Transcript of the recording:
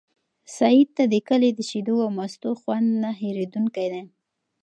سعید ته د کلي د شیدو او مستو خوند نه هېرېدونکی دی.